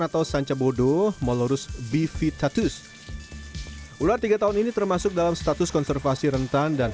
atau sanca bodoh molorus bivitatus ular tiga tahun ini termasuk dalam status konservasi rentan dan